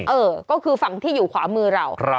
เออก็คือฝั่งที่อยู่ขวามือเรา